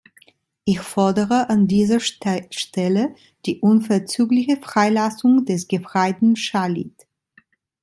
Ich fordere an dieser Stelle die unverzügliche Freilassung des Gefreiten Shalit.